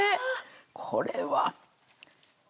これは。